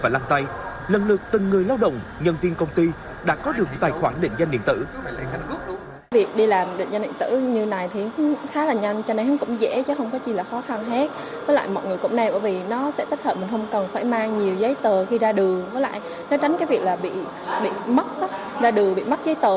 và lăn tay lần lượt từng người lao động nhân viên công ty đã có được tài khoản định danh điện tử